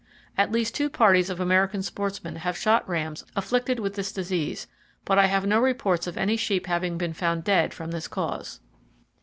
At least two parties of American sportsmen have shot rams afflicted with this disease, but I have no reports of any sheep having been found dead from this cause.